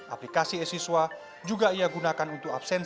aplikasi siswa juga ia gunakan